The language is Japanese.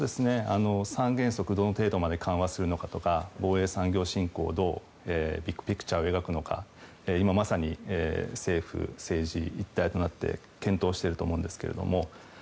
三原則どの程度まで緩和するのかとか防衛産業振興をどうピクチャーを描くのか今まさに政府、政治一体となって検討していると思うんですけれども。